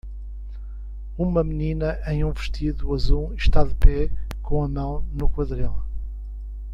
Uma menina em um vestido azul está de pé com a mão no quadril.